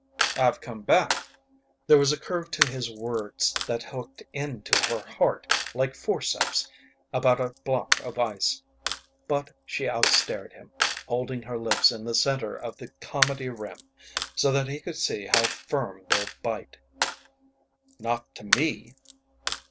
"I've come back." There was a curve to his words that hooked into her heart like forceps about a block of ice. But she outstared him, holding her lips in the center of the comedy rim so that he could see how firm their bite. "Not to me."